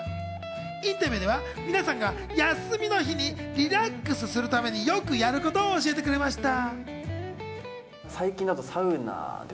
インタビューでは皆さんが休みの日にリラックスするためによくやることを教えてくれました。